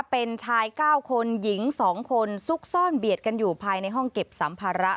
เป็นชาย๙คนหญิง๒คนซุกซ่อนเบียดกันอยู่ภายในห้องเก็บสัมภาระ